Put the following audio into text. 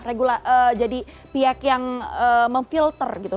regulasi jadi pihak yang memfilter gitu